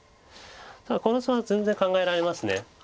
ただこの図は全然考えられます。